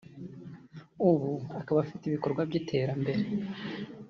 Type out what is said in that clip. ubu akaba afite ibikorwa by’iterambere